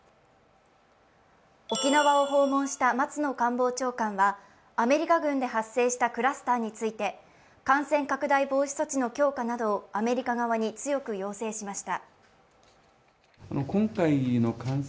沖縄を訪問した松野官房長官は、アメリカ軍で発生したクラスターについて感染拡大防止措置の強化などをアメリカ側に強く要請しました。